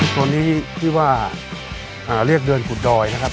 ตัวนี้ที่ว่าเรียกเดินขุดดอยนะครับ